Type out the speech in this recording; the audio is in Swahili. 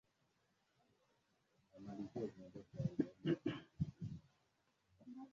Barabara ya kutoka Nairobi kuenda Mombasa ni laini sana.